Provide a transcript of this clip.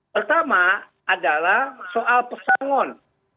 pertama adalah soal pesangon